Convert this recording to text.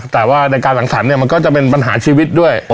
แต่ว่าในการสังสรรค์ก็เป็นปัญหาชีวิตด้วย